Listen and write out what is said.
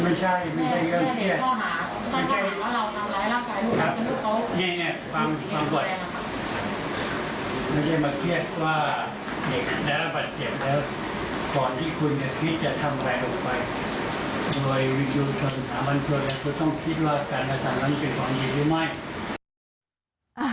อะไรวิจูปถามันผลแล้วคุณต้องคิดว่าการอาศัตริย์นั้นเป็นของดิวรึไม่